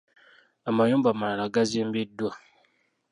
Amayumba amalala gazimbiddwa.